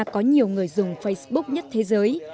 có nhiều người dùng facebook nhất thế giới